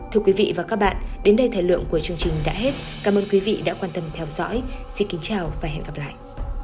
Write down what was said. thưa quý vị và các bạn đến đây thời lượng của chương trình đã hết cảm ơn quý vị đã quan tâm theo dõi xin kính chào và hẹn gặp lại